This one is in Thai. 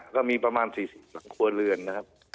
ก็มีประมาณ๔๐หลังครัวเรือนนะครับ